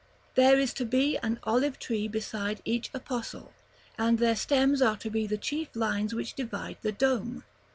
There is to be an olive tree beside each apostle, and their stems are to be the chief lines which divide the dome.